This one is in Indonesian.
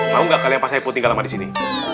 mau gak kalian pak saiful tinggal lama disini